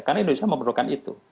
karena indonesia memerlukan itu